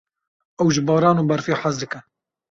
Ew ji baran û berfê hez dike.